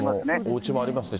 おうちもありますね。